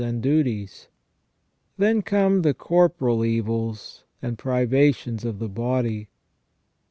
and duties. Then come the corporal evils and privations of the body.